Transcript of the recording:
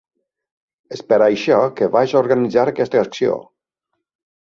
És per això que vaig organitzar aquesta acció.